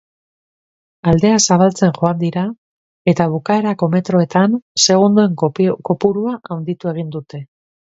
Aldea zabaltzen joan dira eta bukaerako metroetan segundoen kopurua handitu egin dute.